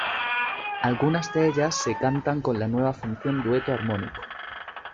Algunas de ellas se cantan con la nueva función dueto armónico.